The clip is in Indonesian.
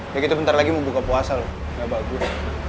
ya gitu bentar lagi mundur ke puasa lo nggak bagus